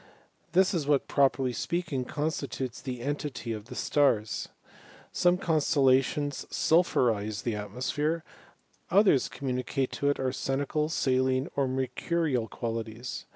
This is what, properly speak* ing constitutes the entity of the stars. Some con Btdlations sulphurize the atmosphere, others communi cate to it arsenical, saline, or mercurial qualities.